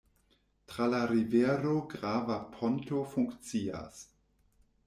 Tra la rivero grava ponto funkcias.